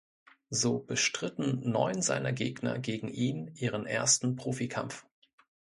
So bestritten neun seiner Gegner gegen ihn ihren ersten Profikampf.